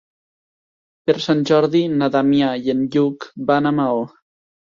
Per Sant Jordi na Damià i en Lluc van a Maó.